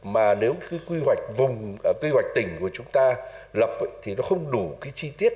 mà nếu cái quy hoạch vùng quy hoạch tỉnh của chúng ta lập thì nó không đủ cái chi tiết